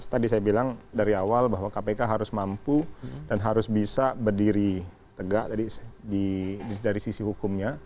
tadi saya bilang dari awal bahwa kpk harus mampu dan harus bisa berdiri tegak dari sisi hukumnya